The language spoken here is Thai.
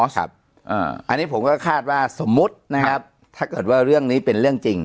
อันนี้ผมก็คาดว่าสมมุตินะครับถ้าเกิดว่าเรื่องนี้เป็นเรื่องจริง